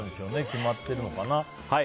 決まってるのかな。